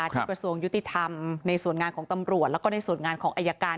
กระทรวงยุติธรรมในส่วนงานของตำรวจแล้วก็ในส่วนงานของอายการ